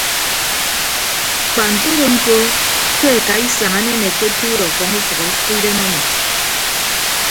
Kpa ntodo ñko ke akaisañ anenekke atuut ọfọñ ufʌhọ ọfʌk idem ọmọ.